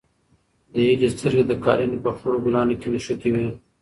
د هیلې سترګې د قالینې په خړو ګلانو کې نښتې وې.